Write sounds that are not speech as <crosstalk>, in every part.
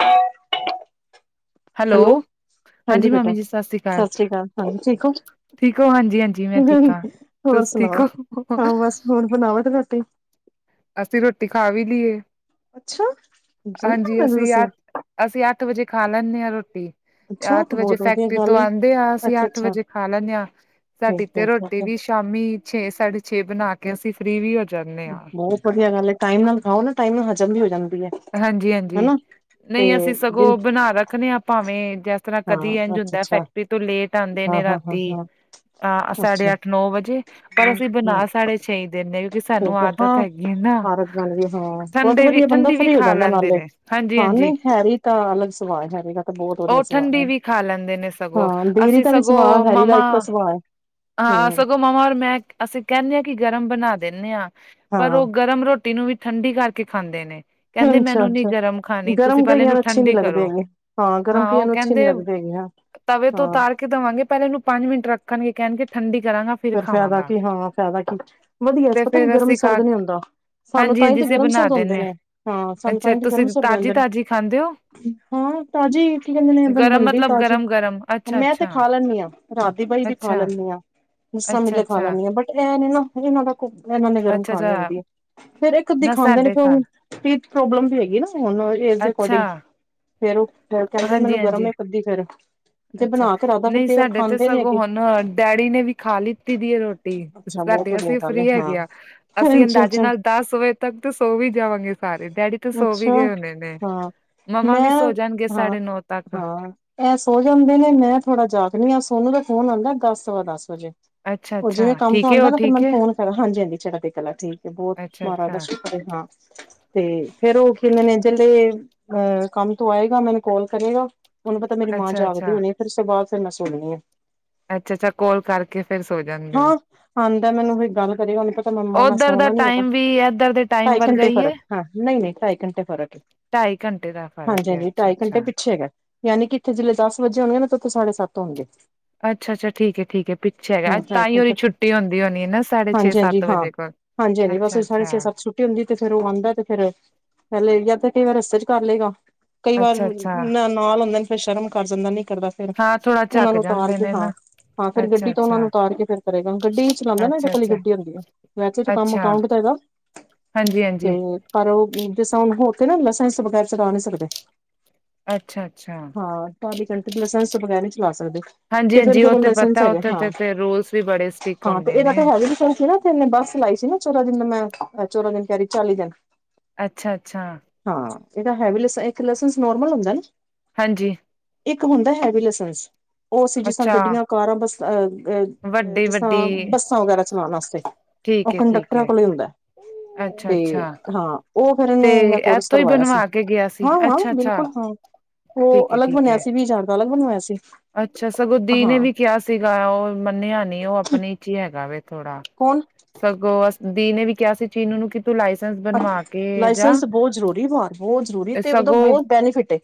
ਹ ਹੈਲੋ ਹਾਂਜੀ ਬੇਟਾ ਸਤਿ ਸ਼੍ਰੀ ਅਕਾਲ ਹਾਂ ਠੀਕ ਹੋ ਠੀਕ ਹੋ ਹਾਂਜੀ ਹਾਂਜੀ ਮੈਂ ਠੀਕ ਬੇਲ ਹਾਂ। ਹੋਰ ਤੁਸੀਂ ਸੁਣਾ ਠੀਕ ਹੋ ਹਾਂ ਬਸ ਹੁਣ ਬਣਾਵ ਤੇ ਰੋਟੀ। ਅਸੀਂ ਰੋਟੀ ਖਾ ਵੀ ਲਈਏ ਅੱਛਾ ਜਲਦੀ ਖਾ ਹਾਂਜੀ ਲੈਂਦੇ ਅਸੀਂ ਤੁਸੀਂ ਅੱਠ ਅਸੀਂ ਅੱਠ ਵਜੇ ਖਾ ਲੈਂਦੇ ਹਾਂ ਰੋਟੀ ਅੱਛਾ ਅੱਠ ਤੇ ਵਜੇ ਬਹੁਤ ਵਧੀਆ ਫੈਕਟਰੀ ਗੱਲ ਤੋਂ ਏ ਆਂਦੇ ਆ ਅਸੀਂ ਅੱਛਾ ਅੱਠ ਅੱਛਾ ਵਜੇ ਖਾ ਲੈਂਨੇ ਹਾਂ ਠੀਕ ਸਾਡੀ ਹੈ ਤੇ ਠੀਕ ਰੋਟੀ ਹੈ ਵੀ। ਸ਼ਾਮੀ ਛੇ ਸਾਢੇ ਛੇ ਬਣਾ ਕੇ ਅਸੀਂ ਫ੍ਰਰੀ ਵੀ ਹੋ ਜਾਂਦੇ ਹਾਂ ਬਹੁਤ ਵਧੀਆ ਗੱਲ ਹੈ। ਟਾਈਮ ਨਾਲ ਖਾਓ ਨਾ ਟਾਈਮ ਨਾਲ ਹਜ਼ਮ ਵੀ ਹੋ ਜਾਂਦੀ ਹੈ। ਹਾਂਜੀ ਹਾਂਜੀ ਹਨਾ ਤੇ ਨਹੀਂ ਅਸੀਂ ਜ ਸਗੋਂ ਬਣਾ ਰੱਖਣੇ ਹਾਂ ਭਾਵੇਂ ਜੈ ਸ। ਇਸ ਤਰ੍ਹਾਂ ਹਾਂ ਕਦੀ ਇੰਝ ਅੱਛਾ ਹੁੰਦਾ ਅੱਛਾ ਫੈਕਟਰੀ ਤੋਂ ਲੇਟ ਆਉਂਦੇ ਹਾਂ ਨੇ ਹਾਂ ਹਾਂ ਰਾਤੀ ਹਾਂ ਅਹ ਅੱਛਾ ਸਾਢੇ ਅੱਠ ਨੌ ਵਜੇ ਪਰ ਹਾਂ ਅਸੀਂ ਬਣਾ ਸਾਡੇ ਛੇ ਦਿੰਦੇ ਹਾਂ ਕਿਉਂਕਿ ਸਾਨੂੰ ਠੀਕ ਹੈ ਆਦਤ ਹਾਂ ਹੈਗੀ ਨਾ ਭਾਰਤ ਬਣ ਵੀ ਹਾਂ ਬਹੁਤ ਠੰਡੇ ਵੀ ਵਧੀਆ ਬੰਦਾ ਠੰਡੀ ਵੀ ਫਰੀ ਹੋ ਖਾ ਜਾਂਦਾ ਲੈਂਦੇ ਨਾਲੇ ਨੇ ਹਾਂ ਹਾਂਜੀ-ਹਾਂਜੀ। ਨਹੀਂ ਹੈਰੀ ਤਾਂ ਅਲੱਗ ਸੁਭਾਅ ਹੈਰੀ ਦਾ ਤਾਂ ਬਹੁਤ ਵਧੀਆ ਸੁਭਾਅ ਹੈ ਉਹਠੰਡੀ ਵੀ ਖਾ ਲੈਂਦੇ ਨੇ ਸਗੋਂ ਹਾਂ ਦੇਰੀ ਅਸੀਂ ਦਾ ਵੀ ਸੁਭਾਅ ਸਗੋਂ ਹੈਰੀ ਦਾ ਮਾਮਾ ਇੱਕੋ ਸੁਭਾਅ ਹੈ ਹਾਂ ਆ ਹਮ ਸਗੋਂ। ਮਾਮਾ ਔਰ ਮੈਂ ਅਸੀਂ ਕਹਿੰਦੇ ਹਾਂ ਕਿ ਗਰਮ ਬਣਾ ਦਿੰਦੇ ਹਾਂ ਪਰ ਹਾਂ ਉਹ ਗਰਮ ਰੋਟੀ ਟੀ ਨੂੰ ਵੀ ਠੰਡੀ ਕਰਕੇ ਖਾਂਦੇ ਨੇ। ਕੈਂਦੇ ਅੱਛਾ ਮੈਨੂੰ ਨੀ ਅੱਛਾ ਗਰਮ ਖਾਣੀ ਤੁਸੀਂ ਗਰਮ ਪੈਲੇ ਕਈਆਂ ਇਹਨੂੰ ਨੂੰ ਅੱਛੇ ਨੀ ਠੰਡੀ ਲੱਗਦੇ ਕਰੋ ਹੈਗੇ ਗਰਮ ਹਾਂ ਕਈਆਂ ਉਹ ਨੂੰ ਅੱਛੇ ਨੀ ਕੈਂਦੇ ਲੱਗਦੇ ਹੈਗੇ ਹਾਂ ਤਵੇ ਤੋਂ ਹਾਂ ਤਾਰ ਕੇ ਦੇਵਾਂਗੇ ਪਹਿਲਾਂ ਇਹਨੂੰ ਪੰਜ ਮਿੰਟ ਰੱਖਣਗੇ ਕਹਿਣਗੇ ਠੰਡੀ ਕਰਾਂਗਾ ਫਿਰ ਫਾਇਦਾ ਕੀ ਹਾਂ ਫਾਇਦਾ ਕੀ ਵਧੀਆ ਤੇ ਪਤਾ ਕੀ ਫੇਰ ਗਰਮ ਅਸੀਂ ਕ ਸਰਦ ਨੀ ਹੁੰਦਾ। ਸਾਨੂੰ ਹਾਂਜੀ ਤਾਂਹੀ ਹਾਂਜੀ ਤੇ ਅਸੀਂ ਗਰਮ ਬਣਾ ਸਰਦ ਹੁੰਦੇ ਦਿੰਦੇ ਨੇ ਹਾਂ ਹਾਂ ਸਾਨੂੰ ਅੱਛਾ ਤਾਂਹੀ ਤੇ ਤੁਸੀਂ ਗਰਮਸੁਰ ਤਾਜ਼ੀ ਰਹਿੰਦੇ ਤਾਜ਼ੀ ਖਾਂਦੇ ਹੋ ਨੇ। ਹਾਂ ਤਾਜ਼ੀ ਕੀ ਕਹਿੰਦੇ ਨੇ ਗਰਮ ਬਣਦੀ ਮਤਲਬ ਤਾਜ਼ੀ ਗਰਮ ਗਰਮ ਅੱਛਾ ਮੈਂ ਅੱਛਾ ਤੇ ਖਾ ਲੈਂਦੀ ਹਾਂ ਰਾਤ ਦੀ ਬ‌ਈ ਵੀ ਖਾ ਅੱਛਾ ਲੈਂਨੀ ਆ, ਜਸ਼ਾ ਅੱਛਾ ਮਿਲੇ ਖਾ ਅੱਛਾ ਲੈਂਨੀ ਆ। ਬਟ ਇਹ ਨੇ ਨਾ, ਉਹਨਾਂ ਦਾ ਇਹਨਾਂ ਨੇ ਗਰਮ ਅੱਛਾ ਖਾਣੀ ਅੱਛਾ ਹੁੰਦੀ ਹੈ ਫੇਰ ਇੱਕ ਅੱਧੀ ਨਾ ਖਾਂਦੇ ਨੇ ਸਾਡੇ ਘਰ ਪ੍ਰੋਬਲਮ ਵੀ ਹੈਗੀ ਨਾ ਹੁਣ ਇਸ ਦੇ ਅੱਛਾ ਅਕੋਰਡਿੰਗ ਫੇਰ ਉਹ ਫ ਕਹਿੰਦੇ ਹਾਂਜੀ ਮੈਨੂੰ ਗਰਮ ਏ ਹਾਂਜੀ ਕੱਧਦੀ ਫਰ ਜੇ ਅੱਛਾ ਬਣਾ ਕੇ ਰਦਾ ਫਿਰ ਨਹੀਂ ਕਈ ਵਾਰ ਸਾਡੇ ਤੇ ਖਾਂਦੇ ਨੀ ਸਗੋਂ ਅਗੇ ਹੁਣ ਡੈਡੀ ਨੇ ਵੀ ਖਾ ਲਿੱਤੀ ਦੀ ਏ ਰੋਟੀ ਅੱਛਾ ਬਹੁਤ ਕਰਦੇ ਵਧੀਆ ਅਸੀਂ ਗੱਲ ਹੈ ਫ੍ਰਰੀ ਹਾਂ ਹੈਗੇ ਆ ਅਸੀਂ ਅੱਛਾ ਅੰਦਾਜ਼ੇ ਅੱਛਾ ਨਾਲ ਦਸ ਵਜੇ ਤੱਕ ਤੇ ਸੋ ਵੀ ਜਾਵਾਂਗੇ ਸਾਰੇ ਡੈਡੀ ਥ ਸੋ ਵੀ ਅੱਛਾ ਗਏ ਹੋਣੇ ਨੇ ਹਾਂ ਮੰਮਾ ਵੀ ਮੈਂ ਸੋ ਜਾਣਗੇ ਸਾਢੇ ਨੌ ਤੱਕ। ਐ ਸੋ ਜਾਂਦੇ ਨੇ ਮੈਂ ਥੋੜਾ ਜਾਗਨੀ ਆ ਸੋਨੂੰ ਦਾ ਫੋਨ ਆਉਂਦਾ ਦਸ ਸਵਾ ਦਸ ਵਜੇ ਅੱਛਾ ਉਹ ਜਿਵੇਂ ਅੱਛਾ ਕੰਮ ਤੋਂ ਠੀਕ ਹੈ ਆਉਂਦਾ ਉਹ ਤੇ ਠੀਕ ਮੈਨੂੰ ਹੈ ਫੋਨ ਹਾਂਜੀ ਹਾਂਜੀ ਚੜ੍ਹਦੀ ਕਲਾ ਠੀਕ ਬਹੁਤ ਅੱਛਾ ਮਹਾਰਾਜ ਦਾ ਅੱਛਾ ਸ਼ੁਕਰ ਹਾਂ ਤੇ ਫੇਰ ਉਹ ਕੈਂਦੇ ਨੇ ਜੇ ਅਹ ਕੰਮ ਤੋਂ ਆਏਗਾ ਮੈਨੂੰ ਕਾਲ ਕਰੇਗਾ। ਉਹਨੂੰ ਪਤਾ ਮੇਰੀ ਮਾਂ ਅੱਛਾ ਜਾਗਦੀ ਅੱਛਾ ਹੋਣੀ ਆ ਫਿਰ ਸਵਾਲ ਫਿਰ ਮੈਂ ਸੋਨੀ ਆ ਅੱਛਾ-ਅੱਛਾ ਕੋਲ ਕਰਕੇ ਫੇਰ ਸੋ ਜਾਂਦੇ ਹੋ। ਹਾਂ ਆਂਦਾ ਹੈ ਮੈਨੂੰ ਉਹੀ ਗੱਲ ਕਰੀ। ਤੇ ਮੰਮਾ ਨਾ ਉੱਧਰ ਦਾ ਸੋਨਾ ਨੀ ਹੈਗਾ, ਟਾਈਮ ਵੀ ਇੱਧਰ ਦੇ ਟਾਈਮ ਢਾਈ ਵਰਗਾ ਘੰਟੇ ਹੀ ਏ ਫਰਕ ਹਾਂ, ਨ‌ਈਂ-ਨ‌ਈਂ ਢਾਈ ਘੰਟੇ ਫਰਕ ਢਾਈ ਘੰਟੇ ਦਾ ਹਾਂਜੀ ਫ਼ਰਕ ਹੈ ਹਾਂਜੀ ਢਾਈ ਘੰਟੇ ਅੱਛਾ-ਅੱਛਾ। ਛੇ ਹੈਗਾ ਯਾਨੀ ਕਿ ਇੱਥੇ ਜੇ ਦਸ ਵਜੇ ਹੋਣਗੇ ਨਾ ਤਾਂ ਉੱਥੇ ਸਾਡੇ ਸੱਤ ਹੋਣਗੇ ਅੱਛਾ ਅੱਛਾ ਠੀਕ ਹੈ ਠੀਕ ਪਿੱਛੇ ਹੈਗਾ ਅੱਜ ਤਾਂ ਹੀ ਹਾਂਜੀ ਉਹਦੀ ਛੁੱਟੀ ਹੁੰਦੀ ਹੋਣੀ ਹੈ ਨਾ ਸਾਢੇ ਛੇ ਸੱਤ ਵਜੇ ਕੋਲ। ਹਾਂਜੀ-ਹਾਂਜੀ ਬਸ ਸਾਡੇ ਅੱਛਾ-ਅੱਛਾ, ਛੇ-ਸੱਤ ਟੀ ਹੁੰਦੀ ਤੇ ਫੇਰ ਉਹ ਆਂਦਾ ਤੇ ਫੇਿਰ ਫਹਿਲੇ ਜਦ ਕਈ ਵਾਰ ਰਸਤੇ ਚ ਕਰ ਲਏਗਾ। ਕਈ ਵਾਰ ਅੱਛਾ-ਅੱਛਾ ਨਾਲ ਹੁੰਦੇ ਨੇ ਫਿਰ ਸ਼ਰਮ ਕਰ ਜਾਂਦਾ ਨੀ ਕਰਦਾ। ਫਿਰ ਹਾਂ ਥੋੜਾ ਉਹਨਾ ਝੱਕ ਨੂੰ ਉਤਾਰ ਜਾਂਦੇ ਕੇ ਨੇ ਹਾਂ। ਨਾ ਹਾਂ ਫੇਿਰ ਗੱਡੀ ਤੋਂ ਉਹਨਾ ਨੂੰ ਅੱਛਾ-ਅੱਛਾ, ਉਤਾਰ ਕੇ ਫੇਿਰ ਕਰੇਗਾ ਗੱਡੀ ਚਲਾਂਦਾ ਨਾ ਇਹਦੇ ਕੋਲੀ ਅੱਛਾ-ਅੱਛਾ, ਗੱਡੀ ਹੁੰਦੀ ਹੈ ਵੈਸੇ ਚ ਕ ਕੰਮ ਅੱਛਾ ਅਕਾਊਂਟ ਤਾਂ ਇਹਦਾ <inaudible> ਹਾਂਜੀ-ਹਾਂਜੀ। ਪਰ ਉਹ ਜਿਸ ਤਾਂ ਹੁਣ ਹੋ ਕੇ ਨਾ ਲਾਇਸੈਂਸ ਵਗੈਰ ਚਲਾ ਨਹੀਂ ਸਕਦੇ ਅੱਛਾ-ਅੱਛਾ ਹਾਂ ਟਲੀ ਘੰਟ ਲਾਇਸੈਂਸ ਤੋਂ ਬਗੈਰ ਨਹੀਂ ਚਲਾ ਸਕਦੇ ਤੇ ਹਾਂਜੀ-ਹਾਂਜੀ ਉਹ ਫਿਰ ਲਾਇਸੈਂਸ ਪਤਾ ਹੈਗਾ ਉੱਥੇ ਹਾਂ। ਤੇ ਤੇ ਰੂਲਸ ਵੀ ਬੜੇ ਸਟਿਕ ਹਾਂ, ਤੇ ਹੁੰਦੇ ਏਦਾ ਤਾਂ ਨੇ। ਹੈਗੇ ਵੀ ਸੀ ਨਾ। ਨੇ ਬੱਸ ਲਾਈ ਸੀ ਨਾ ਚੋਦਾਂ ਦਿਨ ਮੈਂ, ਚੋਦਾਂ ਦਿਨ ਕਹਿ ਰਹੀ ਚਾਲੀ ਦਿਨ ਅੱਛਾ ਅੱਛਾ। ਹਾਂ ਇਹਦਾ ਹੈਵੀ ਇੱਕ ਲੈਸੈਂਨਸ ਨੋਰਮਲ ਹੁੰਦਾ ਨਾ ਹਾਂਜੀ। ਇੱਕ ਹੁੰਦਾ ਹੈਵੀ ਲਸੰਸ। ਉਹ ਅਸੀਂ ਜਿਸਾਂ ਅੱਛਾ ਗੱਡੀਆਂ ਕਾਰਾਂ ਬੱਸ ਅ ਜਿਸ ਵੱਡੀ-ਵੱਡੀ ਤਾਂ ਬੱਸਾਂ ਵਗੈਰਾ ਚਲਾਣ ਵਾਸਤੇ। ਠੀਕ ਉਹ ਹੈ ਠੀਕ ਹੈ। ਕੰਡਕਟਰਾਂ ਕੋਲ ਹੁੰਦਾ ਅੱਛਾ ਤੇ ਅੱਛਾ ਹਾਂ। ਉਹ ਫਿਰ ਤੇ ਇਹਨੂੰ ਮੈਂ ਕੋਰਸ ਇੱਥੋਂ ਹੀ ਕਰਵਾਇਆ ਸੀ ਬਣਵਾ ਕੇ ਗਿਆ ਸੀ ਹਾਂ ਹਾਂ ਅੱਛਾ ਅੱਛਾ ਬਿਲਕੁਲ ਹਾਂ। ਉਹ ਠੀਕ ਹੈ ਅਲੱਗ ਠੀਕ ਬਣਿਆ ਹੈ ਸੀ ਵੀ ਜਾਰ ਦਾ ਅਲੱਗ ਬਣਵਾਇਆ ਸੀ। ਅੱਛਾ, ਸਗੋਂ ਦੀ ਨੇ ਹਾਂ ਵੀ ਕਿਹਾ ਸੀਗਾ। ਉਹ ਮੰਨਿਆ ਨੀ ਉਹ ਆਪਣੇ ਚ ਹੈਗਾ ਵੇ ਥੋੜਾ ਕੌਣ? ਸਗੋਂ ਅਸ ਦੀਦੀ ਨੇ ਵੀ ਕਿਹਾ ਸੀ ਚੀਨ ਨੂੰ ਕੀ ਤੂੰ ਲਾਇਸੈਂਸ ਬਣਵਾ ਕੇ ਜਾਂ, ਲਾਇਸੈਂਸ ਬਹੁਤ ਜ਼ਰੂਰੀ ਬਾਹਰ ਬਹੁਤ ਜ਼ਰੂਰੀ ਤੇ ਉਹਦਾ ਸਗੋਂ ਬਹੁਤ ਬੈਨੀਫਿਟ ਹੈ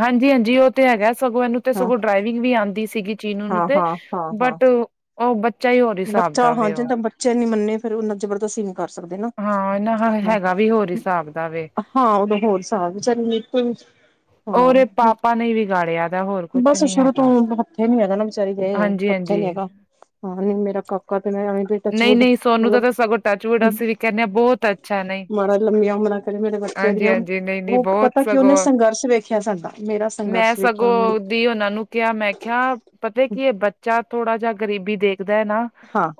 ਹਾਂਜੀ ਹਾਂਜੀ ਉਹ ਤੇ ਹੈਗਾ ਸਗੋਂ ਇਹਨੂੰ ਤੇ ਹਾਂ ਸਗੋਂ ਡਰਾਈਵਿੰਗ ਵੀ ਆਂਦੀ ਸੀਗੀ ਚੀਨੂ ਨੂੰ ਹਾਂ ਤੇ ਹਾਂ ਹਾਂ ਹਾਂ ਬਟ ਉਹ ਬੱਚਾ ਹੀ ਹੋਰ ਹਿਸਾਬ ਦਾ ਵੇ ਉਹ ਉੱਚੇ ਨ ਮੰਨੇ ਫਿਰ ਉਹਨਾ ਜ਼ਬਰਦਸਤੀ ਨਹੀਂ। ਕਰ ਸਕਦੇ ਨਾ ਹਾਂ ਇਹਨਾ <unintelligible> ਹਾਂ ਹੈਗਾ ਵੀ ਹੋਰ ਹਿਸਾਬ ਦਾ ਵੇ ਹਾਂ ਉਦੋਂ ਹੋਰ ਹਿਸਾਬ ਵਿੱਚ ਔਰ ਹਾਂ, ਪਾਪਾ ਨੇ ਵਿਗਾੜਿਆ ਦਾ ਹੋਰ ਕੁਛ ਬਸ ਨੀ ਸ਼ੁਰੂ ਤੋਂ ਹੈਗਾ ਹੱਥੇ ਨੀ ਹੈਗਾ ਨਾ ਵਿਚਾਰੀ ਦੇ ਹਾਂਜੀ ਹੱਥੇ ਨੀ ਹਾਂਜੀ ਹੈਗਾ। ਹਾਂ ਨਹੀਂ ਮੇਰਾ ਕਾ ਨਹੀਂ-ਨਹੀਂ ਸੋਨੂੰ ਦਾ ਤਾਂ ਸਗੋਂ ਟੱਚਵੁਡ ਅਸੀਂ ਵੀ ਕਹਿੰਦੇ ਹਾਂ ਬਹੁਤ ਅੱਛਾ ਨਹੀਂ <inaudible> ਮਹਾਰਾਜ ਲੰਬੀਆਂ ਉਮਰਾਂ ਕਰੇ ਮੇਰੇ ਬੱਚੇ ਦੀਆਂ, ਹਾਂਜੀ-ਹਾਂਜੀ ਨਹੀਂ-ਨਹੀਂ ਉਹ ਬਹੁਤ ਪਤਾ ਕੀ ਉਹਨੇ ਸਗੋਂ ਸੰਘਰਸ਼ ਵੇਖਿਆ ਸਾਡਾ। ਮੇਰਾ ਮੈਂ ਸੰਘਰਸ਼ ਵੇਖਿਆ ਉਹਨੇ ਸਗੋਂ ਦੀ ਓਨਾਂ ਨੂੰ ਕੇਆ ਮੈਂ ਕੇਆ ਪਤਾ ਕੀ ਏ ਬੱਚਾ ਥੋੜਾ ਜਿਹਾ ਗਰੀਬੀ ਦੇਖਦਾ ਹੈ ਨਾ।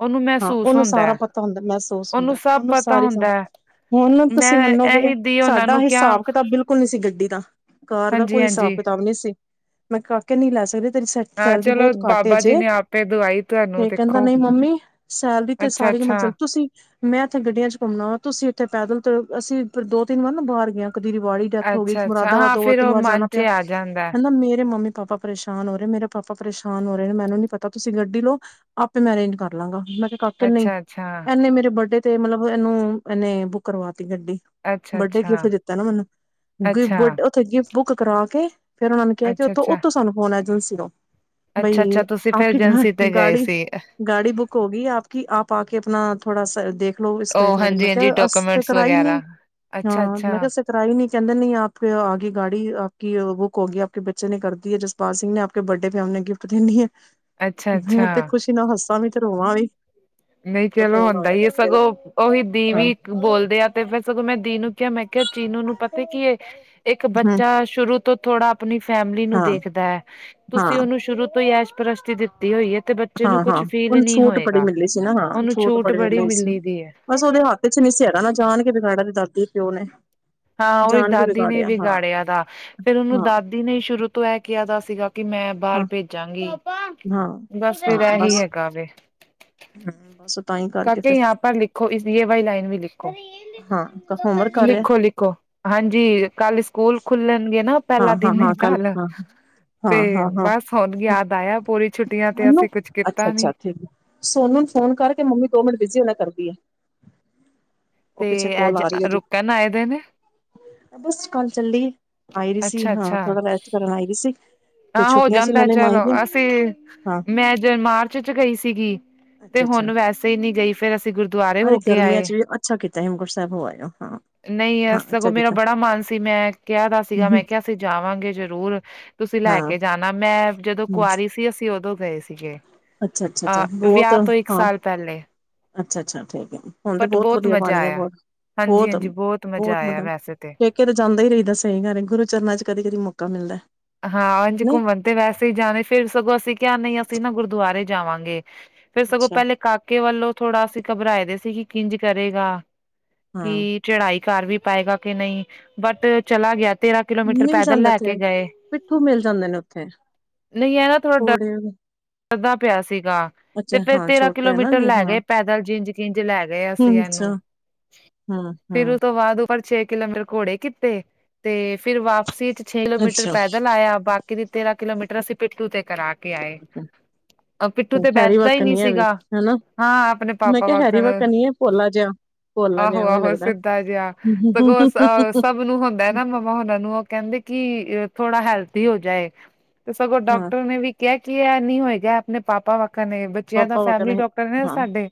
ਉਹਨੂੰ ਮਹਿਸੂਸ ਓਨੂੰ ਹੁੰਦਾ ਸਾਰਾ ਹੈ ਪਤਾ ਹੁੰਦਾ ਮਹਿਸੂਸ ਉਹਨੂੰ ਹੁੰਦਾ, ਸਭ ਓਨੂੰ ਪਤਾ ਸਾਰੀ ਹੁੰਦਾ ਹੈ ਹੁਣ ਤੁਸੀਂ ਮੈਂ ਮੰਨੋਗੇ, ਇਹੀ ਦੀ ਉਹਨਾਂ ਸਾਡਾ ਨੂੰ ਕਿਹਾ ਹਿਸਾਬ-ਕਿਤਾਬ ਬਿਲਕੁਲ ਬਿਲਕੁਲ ਨੀ ਸੀ ਗੱਡੀ ਦਾ ਕਾਰ ਦਾ ਕੋਈ ਹਿਸਾਬ ਹਾਂਜੀ-ਹਾਂਜੀ ਕਿਤਾਬ ਨਹੀਂ ਸੀ ਮੈਂ <unintelligible> ਕਿੰਨੀ ਲੈ ਸਕਦੇ ਤੇਰੀ ਸੈਟ ਹਾਂ, ਚਲੋ ਬਾਬਾ ਜੀ ਨੇ ਆਪੇ ਦਵਾਈ ਤੁਆਨੂੰ ਕੈਂਦਾ ਨਈ ਮੰਮੀ ਸੈਲ ਦੀ ਤੇ ਸਾਰੀ ਅੱਛਾ-ਅੱਛਾ, ਮਤ ਚਲ ਤੁਸੀਂ ਮੈਂ ਇੱਥੇ ਗੱਡੀਆਂ ਚ ਘੁੰਮਣਾ ਵਾ ਤੁਸੀਂ ਇੱਥੇ ਪੈਦਲ ਤੇ ਅਸੀਂ ਦੋ-ਤਿੰਨ ਵਾਰ ਨਾ ਬਾਰ ਗਏ ਕਦੀ ਰਿਵਾੜੀ ਡੈਥ ਹੋ ਗਈ। ਅੱਛਾ-ਅੱਛਾ ਮੁਰਾਦਾਬਾਦ ਹਾਂ ਫਿਰ ਦੋ-ਤਿੰਨ ਉਹ ਵਾਰ ਜਾਣਾ ਮਨ ਚ ਪਿਆ ਆ ਜਾਂਦਾ ਹੈ। ਨਾ ਮੇਰੇ ਮੰਮੀ-ਪਾਪਾ ਪਰੇਸ਼ਾਨ ਹੋ ਰਹੇ ਮੇਰੇ ਪਾਪਾ ਪਰੇਸ਼ਾਨ ਹੋ ਰਹੇ ਮੈਨੂੰ ਨੀ ਪਤਾ ਤੁਸੀਂ ਗੱਡੀ ਲਓ ਆਪੇ ਮੈ ਅਰੇਂਜ ਕਰ ਲਾਂਗਾ ਮੈ ਕਿਹਾ ਕਾਕੇ ਨਹੀ ਅੱਛਾ-ਅੱਛਾ, ਇਹਨੇ ਮੇਰੇ ਬਦਡੇ ਤੇ ਮਤਲਬ ਇਹਨੂੰ ਇਹਨੇ ਬੁੱਕ ਕਰਵਾ ਤੀ ਗੱਡੀ ਬੱਡੇ ਅੱਛਾ-ਅੱਛਾ, ਗਿਫਟ ਦਿੱਤਾ ਨਾ ਮੈਨੂੰ ਗਿ ਅੱਛਾ, ਬਡ ਤੇ ਗਿਫ ਬੁੱਕ ਕਰਾ ਕੇ ਫੇਰ, ਉਹਨਾ ਨੂੰ ਕਿਹਾ ਕਿ ਉਥੋਂ ਅੱਛਾ-ਅੱਛਾ -ਉਥੋਂ ਸਾਨੂੰ ਫੋਨ ਆਜੇ ਏਜੰਸੀ ਤੋਂ ਬਈ ਅੱਛਾ-ਅੱਛਾ ਤੁਸੀਂ ਆਪ ਫਿਰ ਕੇ ਏਜੰਸੀ ਤੇ ਗਏ ਗਾੜੀ ਸੀ ਗਾੜੀ ਬੁੱਕ ਹੋ ਗੀ ਆਪ ਕੀ ਆਪ ਆ ਕੇ ਆਪਣਾ ਥੋੜਾ ਦੇਖ ਲੋ ਇਸ ਏਕ ਵਾਰੀ ਮੈਂ ਕੇਆ ਡਸ ਵਗੈਰਾ ਅੱਛਾ-ਅੱਛਾ। ਤਰਾ ਈ ਨੀ ਕੈਂਦੇ ਨੀ ਆਪੇ ਆ ਗੀ ਗਾੜੀ ਆ ਕੀ ਬੁੱਕ ਹੋ ਗੇਆ ਪ ਕੇ ਬੱਚੇ ਨੇ ਕਰਦੀ ਹੈ ਜਿਸ ਪਾਲ ਸਿੰਘ ਨੇ ਆਪਕੇ ਬਰਡੇ ਫੈਮ ਨੇ ਗਿਫਟ ਦਿਨੀ ਹੈ। ਅੱਛਾ-ਅੱਛਾ ਮੈਂ ਤੇ ਖੁਸ਼ੀ ਨਾਲ ਹੱਸਾ ਵੀ ਤੇ ਰੋਵਾਂ ਵੀ ਨਈ ਚਲੋ ਫੋਨ ਆ ਹੁੰਦਾ ਗਿਆ ਈ ਐ ਕਾਕੇ ਦਾ ਸਗੋਂ ਓਹੀ ਦੀ ਹਾਂ ਵੀ ਬੋਲਦੇ ਆ ਤੇ ਫਿਰ ਸਗੋਂ ਮੈਂ ਦੀ ਨੂੰ ਕਿਹਾ ਮੈਂ ਕਿਹਾ ਚੀਨੂ ਨੂੰ ਪਤਾ ਕਿ ਏ ਇੱਕ ਹਮ, ਬੱਚਾ ਸ਼ੁਰੂ ਤੋਂ ਥੋੜਾ ਆਪਣੀ ਫੈਮਲੀ ਨੂੰ ਹਾਂ ਦੇਖਦਾ ਹੈ ਤੁਸੀਂ ਹਾਂ ਉਹਨੂੰ ਸ਼ੁਰੂ ਤੋਂ ਹੀ <unintelligible> ਦਿੱਤੀ ਹੋਈ ਹੈ ਤੇ ਬੱਚੇ ਨੂੰ ਕੁਛ ਹਾਂ-ਹਾਂ, ਫੀਲ ਉਹਨੂੰ ਨਹੀਂ ਛੂਟ ਬੜੀ ਹੋਏਗਾ। ਮਿਲੀ ਸੀ ਨਾ ਹਾਂ, ਛੂਟ ਬੜੀ ਮਿਲੀ ਸੀ। ਬਸ ਉਹਦੇ ਹੱਥ ਚ ਨੀ ਸੀ। ਹੈਗਾ ਨਾ ਜਾਨ ਕੇ ਪਿਓ ਨੇ ਹਾਂ ਉਹਦੀ ਜਾਣ ਕੇ ਦਾਦੀ ਨੇ ਹਾਂ ਵਿਗਾੜਿਆ ਦਾ, ਫੇਰ ਉਹਨੂੰ ਹਾਂ ਦਾਦੀ ਦੀ ਨੇ ਸ਼ੁਰੂ ਤੋਂ ਇਹ ਕਿਹਾ ਦਾ ਸੀਗਾ ਕਿ ਮੈਂ ਬਾਹਰ ਹਾਂ ਭੇਜਾਂਗੀ। ਹਾਂ ਬਸ ਹਾਂ ਫੈਰ ਇਹੀ ਬਸ ਹੈਗਾ ਵੇ ਹੂੰ ਬਸ ਤਾਂ ਹੀ ਕਰਕੇ ਕਾਕੇ ਫਿਰ ਯਹਾ ਪਰ ਲਿਖੋ ਇਸ ਏ ਵਾਈ ਲਾਈਨ ਵੀ ਹਾਂ ਹੋਮਵਰਕ ਕਰ ਰਿਹਾ ਲਿਖੋ-ਲਿਖੋ-ਲਿਖੋ। ਹਾਂਜੀ, ਕੱਲ ਸਕੂਲ ਖੁੱਲਣਗੇ ਨਾ ਪੈਲਾ ਦਿਨ ਏ ਕੱਲ। ਤੇ ਹਾਂ-ਹਾਂ-ਹਾਂ ਬਸ ਹੁਣ ਯਾਦ ਆਇਆ ਪੂਰੀ ਛੁੱਟੀਆਂ ਤੇ ਮੰਨੂੰ ਅਸੀਂ ਕੁਛ ਕੀਤਾ ਅੱਛਾ-ਅੱਛਾ ਨੀ। ਠੀਕ ਹੈ। ਸੋਨੂੰ ਫੋਨ ਕਰਕੇ ਮੰਮੀ ਦੋ ਮਿੰਟ ਬਿਜ਼ੀ ਉਹਨਾ ਕਰਦੀ ਹੈ। ਉਹ ਤੇ ਪਿੱਛੇ ਕੋਲ ਐਜ ਆ ਰਹੀ ਹੈ ਜੀ ਰੁਕਣ ਆਏ ਦੇ ਨੇ। ਬਸ ਕੱਲ੍ਹ ਚੱਲੀ ਏ, ਆਈ ਰਹੀ ਸੀ ਅੱਛਾ ਹਾਂ ਅੱਛਾ ਥੋੜਾ ਰੈਸਟ ਕਰਨ ਆਈ ਰਹੀ ਸੀ। ਤੇ ਹਾਂ ਹੋ ਛੁੱਟੀਆਂ ਸੀ ਜਾਂਦਾ ਨਾਲੇ ਚਲੋ ਮਾਹੀਆ ਅਸੀਂ ਹਾਂ ਮੈ ਜ ਮਾਰਚ ਚ ਗਈ ਸੀਗੀ ਤੇ ਅੱਛਾ-ਅੱਛਾ ਹੁਣ ਵੈਸੇ ਹੀ ਨੀ ਗਈ, ਫੇਰ ਅਸੀ ਗੁਰਦੁਆਰੇ ਹੋ ਅਰੇ ਕੇ ਗਰਮੀਆਂ ਆਏ। ਚ ਵੀ ਅੱਛਾ ਕੀਤਾ ਹੇਮਕੁੰਟ ਸਾਹਿਬ ਹੋ ਆਇਓ ਹਾਂ-ਹਾਂ ਨਈ ਇਸ ਸਗੋਂ ਅੱਛਾ ਮੇਰਾ ਕੀਤਾ ਬੜਾ ਮਨ ਸੀ ਮੈਂ ਕੇਆ ਤਾ ਸੀਗਾ ਮੈਂ ਕੇਆ ਅਸੀਂ ਜਾਵਾਂਗੇ ਜਰੂਰ ਤੁਸੀਂ ਲੈ ਹਾਂ ਕੇ ਜਾਣਾ ਮੈਂ ਜਦੋਂ ਕੁਆਰੀ ਸੀ ਅਸੀ ਉਦੋਂ ਗਏ ਸੀਗੇ, ਆ ਅੱਛਾ-ਅੱਛਾ-ਅੱਛਾ ਬਹੁਤ ਵੇਆ ਤੋਂ ਇੱਕ ਹਾਂ ਸਾਲ ਪੈਲੇ। ਅੱਛਾ-ਅੱਛਾ ਠੀਕ ਏ, ਹੁਣ ਤੇ ਬਹੁਤ ਵਧੀਆ ਬਨ ਮਜ਼ਾ ਗਿਆ ਆਇਆ। ਬੋਤ ਬਹੁਤ, ਹਾਂਜੀ-ਹਾਂਜੀ ਮਜ਼ਾ ਬਹੁਤ ਆਇਆ ਮਤਲਬ ਵੈਸੇ ਤੇ ਕਿਤੇ ਜਾਂਦੇ ਈ ਨੀ ਦੱਸੇ ਘਰੇ ਗੁਰੂ ਚਰਨਾਂ ਚ ਕਦੀ-ਕਦੀ ਮੌਕਾ ਮਿਲਦਾ। ਹਾਂ ਉਝ ਨਹੀਂ ਘੁੰਮਣ ਤੇ ਵੈਸੇ ਈ ਜਾ ਰਏ, ਫਿਰ ਸਗੋਂ ਅਸੀਂ ਕਿਹਾ ਨਹੀਂ, ਅਸੀਂ ਨਾ ਗੁਰਦੁਆਰੇ ਜਾਵਾਂਗੇ। ਫੇਰ ਸਗੋਂ ਅੱਛਾ। ਪਹਿਲੇ ਕਾਕੇ ਵੱਲੋਂ ਥੋੜਾ ਅਸੀਂ ਘਬਰਾਏ ਦੇ ਸੀ ਕਿ ਕਿੰਜ ਕਰੇਗਾ, ਹਾਂ ਕਿ ਚੜਾਈ ਕਰ ਵੀ ਪਾਏਗਾ ਕਿ ਨਹੀਂ, ਬਟ ਚਲਾ ਗਿਆ ਤੇਰਾਂ ਕਿਲੋਮੀਟਰ ਮਿਲ ਪੈਦਲ ਜਾਂਦਾ ਲੈ ਕੇ ਉੱਥੇ ਗਏ। ਪਿੱਠੂ ਮਿਲ ਜਾਂਦੇ ਨੇ ਉੱਥੇ। ਨਈ ਐ ਨਾ ਥੋੜਾ ਡ <unintelligible> ਡਰਦਾ ਪਿਆ ਸੀਗਾ। ਤੇ ਅੱਛਾ ਫਿਰ ਹਾਂ ਤੇਰਾਂ ਛੋਟਾ ਹੈ ਨਾ ਕਿਲੋਮੀਟਰ ਜੇ ਲੈ ਹਾਂ ਗਏ ਪੈਦਲ ਜਿੰਜ ਕਿੰਝ ਲੈ ਗਏ ਅਸੀਂ ਏਨੂੰ। ਹੂੰ-ਹੂੰ। ਪਰ ਛੇ ਕਿਲੋਮੀਟਰ ਘੋੜੇ ਕੀਤੇ। ਤੇ ਫੇਰ ਵਾਪਸੀ ਚ ਛੇ ਕਿਲੋਮੀਟਰ ਅੱਛਾ। ਪੈਦਲ ਆਇਆ ਬਾ ਕੀ ਦੇ ਤੇਰਾਂ ਕਿਲੋਮੀਟਰ ਅਸੀਂ ਪਿੱਟੂ ਤੇ ਕਰਾ ਕੇ ਆਏ। ਪਿੱਠੂ ਤੇ ਹੈਰੀ ਬੈਠਦਾ ਈ ਵਾਕਨ ਨੀ ਐ ਵੀ ਸੀਗਾ। ਹਨਾ ਹਾਂ ਆਪਣੇ ਮੈਂ ਪਾਪਾ ਕਿਹਾ ਹੈਰੀ ਵਾਕਰ। ਵਾਕਨ ਈ ਐ ਭੋਲਾ ਜਿਹਾ ਭੋਲਾ ਜਿਹਾ ਐਵੇਂ ਆਹੋ-ਆਹੋ ਲੱਗਦਾ ਸਿੱਧਾ ਜੇਆ ਸਗੋਂ ਸ ਹਨੂੰ ਹੁੰਦਾ ਐ ਨਾ ਮੰਮਾ ਹੋਨਾ ਨੂੰ ਓ ਕੋਂਦੇ ਕੀ, ਥੋੜਾ ਹੈਲਦੀ ਹੋ ਜਾਏ। ਤੇ ਸਗੋਂ ਹਾਂ ਡਾਕਟਰ ਨੇ ਵੀ ਕੇਆ ਕੀ ਐ ਨੀ ਹੋਏਗਾ ਆਪਣੇ ਪਾਪਾ ਵਾਕਾਂ ਨੇ ਬ ਚਿਆਂ ਦਾ ਪਾਪਾ ਵਾਕਨ ਫੈਮਿਲੀ ਡਾਕਟਰ ਨੇ ਹਾਂ ਸਾਡੇ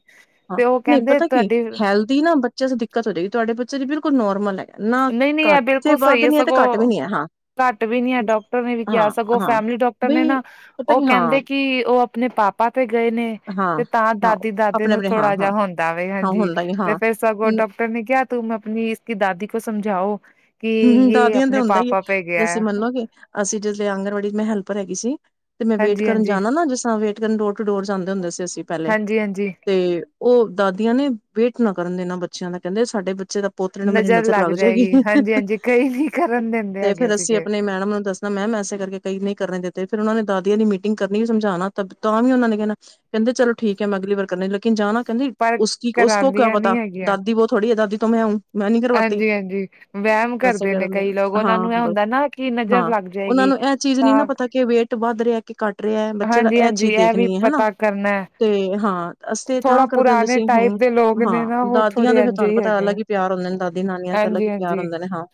ਤੇ ਓ ਕੈਂਦੇ ਤੁਆਡੀ ਦੀ ਨਾ ਬੱਚਿਆਂ ਦੀ ਦਿੱਕਤ ਹੋ ਜੇਗੀ ਤੁਹਾਡੇ ਬੱਚੇ ਛ ਬਿਲਕੁਲ ਨੌਰਮਲ ਐ। ਨਾ ਨਹੀਂ ਨਹੀਂ ਇਹ ਘੱਟ ਜੇ ਬਿਲਕੁਲ ਸਹੀ ਵੱਧ ਹੈ ਨੀ ਐ ਤੇ ਸਗੋਂ ਘੱਟ ਵੀ ਨੀ ਐ ਹਾਂ। ਘੱਟ ਵੀ ਨੀ ਐ ਡਾਕਟਰ ਨੇ ਵੀ ਕੇਆ ਹਾਂ ਸਗੋਂ ਹਾਂ ਫੈਮਿਲੀ ਡਾਕਟਰ ਨੇ ਬਈ ਨਾ ਪਤਾ ਓ ਕੀ ਹਾਂ ਕੈਂਦੇ ਕੀ ਓ ਅ ਪਣੇ ਪਾਪਾ ਤੇ ਗਏ ਨੇ। ਹਾਂ ਤੇ ਤਾਂ ਹਾਂ ਦਾਦੀ ਦਾਦੇ ਆਪਣੇ ਨੂੰ ਆਪਣੇ ਹਾਂ ਥੋੜਾ ਜੇਆ ਹਾਂ ਹੁੰਦਾ ਵੇ ਹਾਂ ਹਾਂਜੀ ਹੁੰਦਾ ਹੀ ਤੇ ਹਾਂ ਫੇਰ ਸਗੋਂ ਡ ਫਿ ਓਨੇ ਕੇਆ ਤੁਮ ਆਪਣੀ ਇਸ ਦਾਦੀ ਕੋ ਸਮਝਾਓ। ਕਿ ਹੂੰ ਯੇ ਦਾਦੀਆਂ ਨੂੰ ਤੇ ਆਪਣੇ ਹੁੰਦਾ ਈ ਏ ਪਾਪਾ ਪੇ ਗਿਆ ਤੁਸੀਂ ਹੈ ਮੰਨੋਗੇ? ਅਸੀਂ ਜਿਸਲੇ ਆਂਗਣਵਾੜੀ ਚ ਮੈਂ ਹੈਲਪਰ ਹੈਗੀ ਸੀ, ਤੇ ਮੈਂ ਵੇਟ ਹਾਂਜੀ ਕਰਨ ਹਾਂਜੀ ਜਾਣਾ ਨਾ ਜਿਸ ਤਰ ਵੇ ਡੋਰ ਟੂ ਡੋਰ ਜਾਂਦੇ ਹੁੰਦੇ ਸੀ। ਅਸੀਂ ਪੈਲੇ ਹਾਂਜੀ ਹਾਂਜੀ ਤੇ ਓ ਦਾਦੀਆਂ ਨੇ ਵੇਟ ਨਾ ਕਰਨ ਦੇਨਾਂ ਬੱਚਿਆਂ ਦਾ। ਕੈਂਦੇ ਸਾਡੇ ਬੱਚੇ ਦਾ ਪੋਤਰੇ ਨੂੰ ਮੇਰੀ ਨਜ਼ਰ ਲੱਗ ਜੇਗੀ। ਜਾਏਗੀ ਹਾਂਜੀ ਹਾਂਜੀ ਕਈ ਨੀ ਕਰਨ ਦਿੰਦੇ ਤੇ ਹੈਗੇ ਫੇਰ ਅਸੀਂ ਸੀਗੇ ਆਪਣੇ ਮੈਡਮ ਨੂੰ ਦੱ ਣ ਮੈਮ ਐਸੇ ਕਰਕੇ ਕਈ ਨਈ ਕਰਨੇ ਦੇਤੇ ਫੇਰ ਓਨਾਂ ਨੇ ਦਾਦੀਆਂ ਦੀ ਮੀਟਿੰਗ ਕਰਨੀ ਵੀ ਸਮਝਾਣਾ ਤਾਂ ਵੀ ਓਨਾਂ ਨੇ ਕੈਣਾ ਕੈਂਦੇ ਚਲੋ ਠੀਕ ਐ ਮੈਂ ਅਗਲੀ ਵਾਰ ਕਰਨੀ ਲਕਿਨ ਜਾਣਾ ਕੈਂਦੀ ਪਰ ਓਸ ਕੀ ਓਸ ਕੋੋ ਕਿਆ ਕਰਾਉਂਦੀਆਂ ਪਤਾ, ਨੀ ਦਾਦੀ ਵੋ ਥੋੜੀ ਐ ਦਾਦੀ ਤੋਂ ਮੈਂ ਹੂੰ। ਮੈਂ ਨਹੀਂ ਕਰਵਾਤੀ ਐਂਜੀ-ਐਂਜੀ। ਵੈਮ ਐਸੇ ਕਰਦੇ ਨੇ ਕਰਨ ਕਈ ਲੋਕ ਹਾਂ ਓਨਾਂ ਨੂੰ ਐ ਬਸ ਹੁੰਦਾ ਨਾ ਕਿ ਨਜ਼ਰ ਲੱਗ ਜੇਗੀ ਤਾਂ ਕੇ ਵੇਟ ਵੱਧ ਰਿਹਾ। ਕੱਟ ਰਿਹਾ ਹੈ, ਬੱਚੇ ਦਾ ਇਹ ਹਾਂਜੀ-ਹਾਂਜੀ ਚੀਜ਼ ਵੀ ਦੇਖਣੀ ਹੈ ਹਨਾ। ਪਤਾ ਕਰਨਾ ਹੈ। ਤੇ ਹਾਂ ਅ ਤੇ ਥੋੜਾ ਤਾਂ ਕਰਦੇ ਹੁੰਦੇ ਪੁਰਾਣੇ ਸੀ ਟਾਈਪ ਹੁਣ, ਦੇ ਲੋਕ ਨੇ ਨਾ ਹਾਂ। ਉਹ ਦਾਦੀਆਂ ਥੋੜੇ ਦੇ ਫਿਰ ਇੰਝ ਤੁਹਾਨੂੰ ਪਤਾ ਹੈਗੇ ਆ ਅਲੱਗ ਹੀ ਪਿਆਰ ਹੁੰਦੇ ਨੇ, ਦਾਦੀ- ਨਾਨੀਆਂ ਤੇ ਅਲੱਗ ਹੀ ਪਿਆਰ ਹਾਂਜੀ-ਹਾਂਜੀ ਹੁੰਦਾ ਨੇ। ਹਾਂ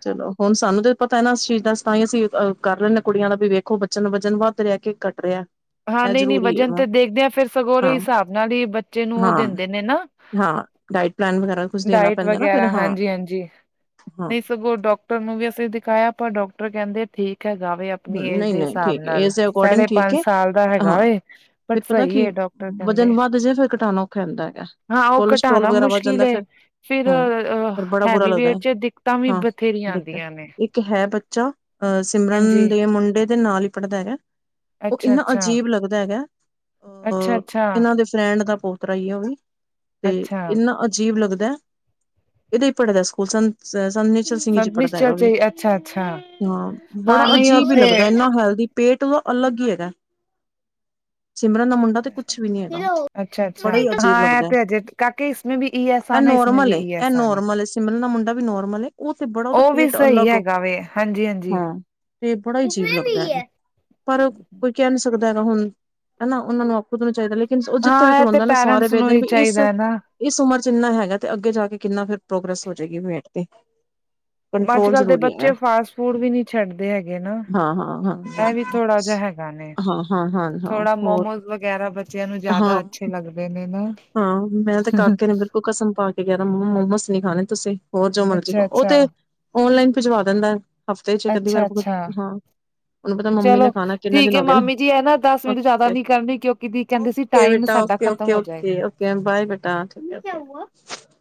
ਚਲੋ। ਹੁਣ ਸਾਨੂੰ ਤੇ ਪਤਾ ਹੈ ਨਾ ਇਸ ਚੀਜ਼ ਦਾ ਤਾਂ ਹੀ ਅਸੀਂਹ ਕਰ ਲੈਂਦੇ ਹਾਂ। ਕੁੜੀਆਂ ਦਾ ਵੀ ਵੇਖੋ ਬ ਬਚਾਉਣ ਵਜਨ ਵੱਧ ਰਹਿ ਕੇ, ਕੱਟ ਰਿਹਾ। ਹਾਂ, ਇਹ ਨਹੀਂ- ਨਹੀਂ ਜ਼ਰੂਰੀ ਹੈ ਵਜਨ ਵਾ ਤੇ ਦੇਖਦੇ ਹਾ ਫਿਰ ਸਗੋਂਰੇ ਹਾਂ ਹਿਸਾਬ ਨਾਲ ਹੀ ਬੱਚੇ ਨੂੰ ਉਹ ਹਾਂ ਦਿੰਦੇ ਨੇ ਨਾ। ਹਾਂ, ਡਾਇਟ ਪਲੈਨ ਵਗੈਰਾ ਕੁਛ ਦੇਣਾ ਡਾਇਟ ਪੈਂਦਾ ਨਾ ਫਿਰ ਵਗੈਰਾ ਹਾਂ। ਹਾਂਜੀ-ਹਾਂਜੀ ਹਾਂ ਨਹੀਂ ਸਗੋਂ ਡਾਕਟਰ ਨੂੰ ਵੀ ਅਸੀਂ ਦਿਖਾਇਆ, ਪਰ ਡਾਕਟਰ ਕਹਿੰਦੇ ਠੀਕ ਹੈਗਾਵੇ। ਆਪਣੀ ਏਜ ਨਹੀਂ ਦੇ ਨਹੀਂ ਹਿਸਾਬ ਠੀਕ ਹੈ ਨਾਲ, ਏਜ ਦੇ ਅਕੋਰਡਿੰਗ ਸਾਢੇ ਠੀਕ ਪੰਜ ਹੈ ਸਾਲ ਦਾ ਹੈਗਾ। ਹਾਂ ਪਰ ਫਿਰ ਪਤਾ ਸਹੀ ਕੀ ਹੈ ਡਾਕ ਵਜਨ ਵੱਧ ਜੇ ਫ਼ਿਰ ਕਟਾਣਾ ਔਖਾ ਹੁੰਦਾ ਹੈਗਾ। ਹਾਂ, ਉਹ ਕੋਲਸਟਰੋਲ ਘਟਾਉਣਾ ਵਗੈਰਾ ਵੱਧ ਮੁਸ਼ਕਿਲ ਜਾਂਦਾ ਹੈ। ਫਿਰ ਫਿਰ ਹਮ ਫਿਰ ਬੜਾ ਬੁਰਾ ਹੈਵੀ ਲੱਗਦਾ ਹੈ ਵੇਟ ਚ' ਦਿੱਕਤਾਂ ਵੀ ਹਾਂ ਬਥੇਰੀਆਂ ਦੇਖਦਾ ਆਉਂਦੀਆਂ ਨੇ। ਇੱਕ ਹੈ ਬੱਚਾ, ਅਹ ਸਿਮਰਨ ਹਾਂਜੀ ਦੇ ਮੁੰਡੇ ਦੇ ਨਾਲ ਹੀ ਪੜ੍ਹਦਾ ਹੈਗਾ। ਉਹ ਅੱਛਾ ਇੰਨਾ ਅੱਛਾ ਅਜੀਬ ਲੱਗਦਾ ਹੈਗਾ। ਅੱਛਾ ਅਹ ਅੱਛਾ ਇਹਨਾਂ ਦੇ ਫਰੈਂਡ ਦਾ ਪੋਤਰਾ ਹੀ ਉਹ ਵੀ। ਤੇ ਅੱਛਾ ਇੰਨਾ ਅਜੀਬ ਲੱਗਦਾ। ਇਹਦੇ ਪੜ੍ਹੇ ਦਾ ਸਕੂਲ ਸਨ। ਸਾਨ ਨਚਲ ਸਿੰਘ ਜੀ ਸੰਤ ਪੜ੍ਹਦਾ ਨਿਸ਼ਚਲ ਹੈਗਾ ਚ ਵੀ। ਹੀ, ਅੱਛਾ ਅੱਛਾ ਹਾਂ, ਹਾਂ ਬੜਾ ਨਹੀਂ ਉੱਥੇ ਹੇਲਦੀ ਪੇਟ ਓਹਦਾ ਅਲੱਗ ਹੀ ਹੈਗਾ। ਸਿਮਰਨ ਦਾ ਮੁੰਡਾ ਉਹਨਾਂ ਤੇ ਕੁਛ ਵੀ ਨੀ ਹੈਗਾ। ਅੱਛਾ ਅੱਛਾ ਬੜਾ ਹੀ ਅਜੀਬ ਹਾਂ ਇਹ ਲੱਗਦਾ ਹੈ। ਤੇ ਅਜੇ ਕਾਕੇ ਇਸਮੇ ਵੀ ਈ ਐਸ ਇਹ ਆਨਾ ਇਸਮੇ ਨੋਰਮਲ ਵੀ ਈ ਇਹ, ਐਸ ਆਨਾ ਨੋਰਮਲ ਸਿਮਰ ਦਾ ਮੁੰਡਾ ਵੀ ਨੋਰਮਲ, ਉਹਥੇ ਬੜਾ ਉਹਦਾ ਉਹ ਵੀ ਪੇਟ ਸਹੀ ਅਲੱਗ ਹੈਗਾ ਵੇ ਹਾਂਜੀ- ਹਾਂਜੀ। ਹਾਂ ਬੜਾ ਹੀ ਅਜੀਬ ਲੱਗਦਾ। ਪਰ ਕੋਈ ਕਹਿ ਨੀ ਸਕਦਾ ਹੈਗਾ ਹੁਣ, ਹਨਾ। ਉਹਨਾਂ ਨੂੰ ਨੂੰ ਚਾਹੀਦਾ, ਲੇਕਿਨ ਉਹ ਜਿੱਥੇ ਵੀ ਹਾਂ ਇਹ ਤੇ ਖਿਲਾਉਂਦਾ ਨਾ, ਉਹ ਸਾਰੇ ਪੈਰੈਂਟਸ ਨੂੰ ਵੇਖਦੇ ਨੇ ਹੀ ਵੀ ਇਸ ਚਾਹੀਦਾ ਨਾ ਇਸ ਉਮਰ ਚ ਇੰਨਾ ਹੈਗਾ। ਤੇ ਅੱਗੇ ਜਾ ਕੇ ਕਿੰਨਾ ਫਿਰ ਪ੍ਰੋਗਰੈਸ ਹੋ ਜਾਏਗੀ ਵੇਟ ਤੇ। ਅੱਜ ਕੰਟਰੋਲ ਕੱਲ ਦੇ ਜ਼ਰੂਰੀ ਹੈ ਬੱਚੇ ਫਾਸਟ ਫੂਡ ਵੀ ਨੀ ਛੱਡਦੇ ਹੈਗੇ ਨਾ। ਹਾਂ ਹਾਂ ਹਾਂ ਇਹ ਵੀ ਥੋੜਾ ਜਹਾ ਹੈਗਾ ਨੇ। ਹਾਂ ਹਾਂ ਹਾਂ ਹਾਂ ਥੋੜਾ ਹੋਰ ਮੋਮੋਸ ਵਗੈਰਾ ਬੱਚਿਆਂ ਨੂੰ ਹਾਂ ਜ਼ਿਆਦਾ ਅੱਛੇ ਲੱਗਦੇ ਨੇ ਨਾ। ਹਾਂ, ਮੈਂ ਤੇ ਕਾਕੇ ਨੇ ਬਿਲਕੁਲ ਕਸਮ ਪਾ ਕੇ ਕਿਹਾ, ਮੋਮਸ ਨੀ ਖਾਣੇ ਤੁਸੀਂ। ਹੋਰ ਜੋ ਮਰਜ਼ੀ ਅੱਛਾ, ਉਹ। ਅੱਛਾ, ੳਤੇ ਓਨਲਾਈਨ ਭਜਵਾ ਦਿੰਦਾ। ਹਫ਼ਤੇ ਚ' ਕੀ ਵਾਰ ਅੱਛਾ, ਅੱਛਾ ਹਾਂ। ਉਹਨੂੰ ਪਤਾ ਮੰਮੀ ਚਲੋ ਨੇ ਖਾਣਾ ਕਿੰਨੇ ਠੀਕ ਦਿਨ ਏ ਹੋ ਗਏ ਨੇ ਮਾਮੀ ਜੀ। ਇਹ ਨਾ ਦਸ ਮਿੰਟ ਜਿਆਦਾ ਓਕੇ ਨੀ ਕਰਨੀ, ਕਿਉਂਕਿ ਦੀ ਕਹਿੰਦੇ ਸੀ। ਓਕੇ ਟਾਈਮ ਬੇਟਾ। ਸਾਡਾ ਓਕੇ- ਖ਼ਤਮ ਓਕੇ- ਹੋ ਜਾਏਗਾ। ਓਕੇ- ਓਕੇ ਬਏ ਬੇਟਾ ਠ ਓਕੇ।